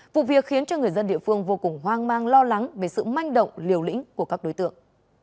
vụ việc khiến cho người dân địa phương vô cùng hoang mang lo lắng về sự manh động liều lĩnh của các đối tượng